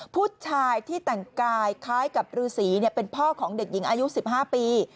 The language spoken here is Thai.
ผู้ชายที่แต่งกายคล้ายกับฤษีเป็นพ่อของเด็กหญิงอายุ๑๕ปี